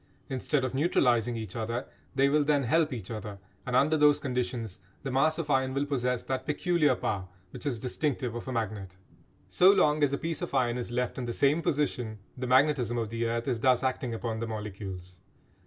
Instead of neutralising each other they will then help each other, and under those conditions the mass of iron will possess that peculiar power which is distinctive of a magnet. So long as a piece of iron is left in the same position the magnetism of the earth is thus acting upon the molecules.